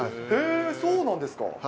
へー、そうなんですか。